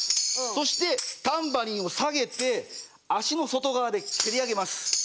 そしてタンバリンを下げて足の外側で蹴り上げます！